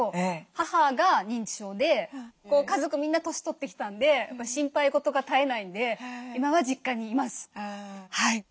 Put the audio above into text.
家族みんな年取ってきたんで心配事が絶えないんで今は実家にいます。